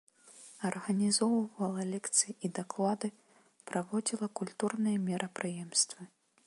Арганізоўвала лекцыі і даклады, праводзіла культурныя мерапрыемствы.